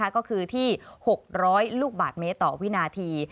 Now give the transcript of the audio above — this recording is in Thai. ก็คือที่๖๐๐ลูกบาทเมตรต่อวินาที